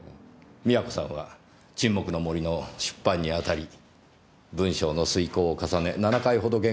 美和子さんは『沈黙の森』の出版にあたり文章の推敲を重ね７回ほど原稿を書き直しています。